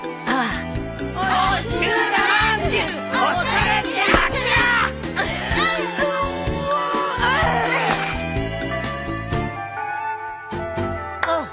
ああ。